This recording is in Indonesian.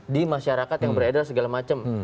di masyarakat yang beredar segala macam